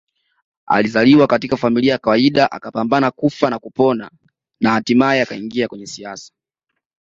Alizaliwa katika familia ya kawaida akapambana kufa na kupona na hatimaye akaingia kwenye siasa